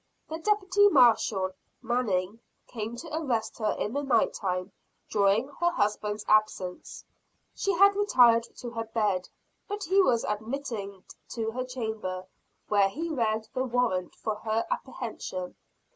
The deputy marshall, Manning, came to arrest her in the night time, during her husband's absence. She had retired to her bed; but he was admitted to her chamber, where he read the warrant for her apprehension.